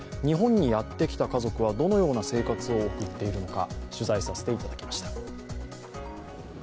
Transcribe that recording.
日本にやってきた家族はどのような生活を送っているのか取材させていただきました。